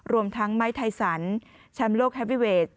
รวมทั้งไมค์ไทซันแชมลกแฮฟวิเวส